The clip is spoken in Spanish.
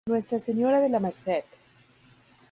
Nuestra Señora de la Merced